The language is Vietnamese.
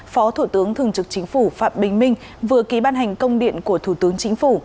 phó thủ tướng thường trực chính phủ phạm bình minh vừa ký ban hành công điện của thủ tướng chính phủ